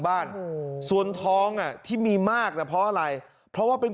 บ้านส่วนท้องอ่ะที่มีมากนะเพราะอะไรเพราะว่าเป็น